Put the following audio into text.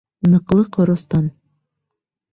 Ныҡлы ҡоростан.